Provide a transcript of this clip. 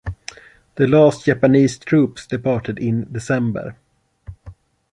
The last Japanese troops departed in December.